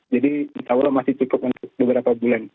jadi insya allah masih cukup untuk beberapa bulan